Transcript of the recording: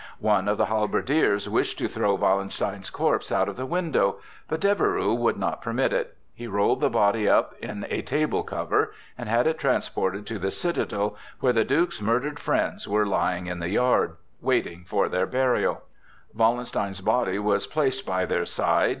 One of the halberdiers wished to throw Wallenstein's corpse out of the window, but Deveroux would not permit it; he rolled the body up in a table cover and had it transported to the citadel, where the Duke's murdered friends were lying in the yard, waiting for their burial. Wallenstein's body was placed by their side.